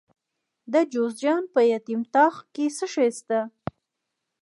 د جوزجان په یتیم تاغ کې څه شی شته؟